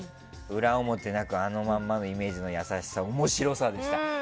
裏表なく、あのままのイメージの面白さでした。